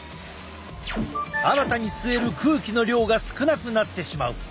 新たに吸える空気の量が少なくなってしまう。